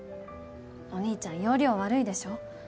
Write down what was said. お兄ちゃん要領悪いでしょ？